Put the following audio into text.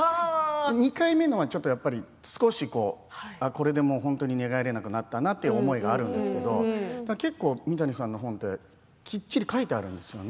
２回目のは、ちょっと少しこれでもう、本当に寝返れなくなったなという思いがあるんですけれど結構、三谷さんの本きっちり書いてあるんですよね。